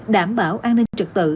đảm bảo an ninh trực tự